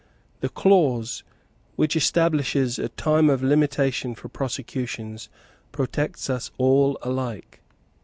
The clause which establishes a time of limitation for prosecutions protects us all alike.